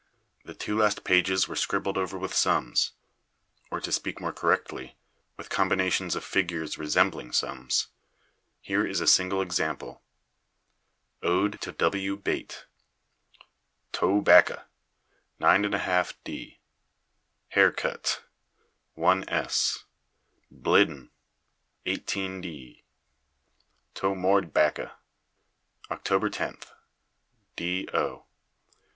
The two last pages were scribbled over with sums or, to speak more correctly, with combinations of figures resembling sums. Here is a single example Ode to W. Bate To bacca 9 and 1/2d Haircutt 1s Bliddin ...... 18d. To more bacca Oct. 10th do.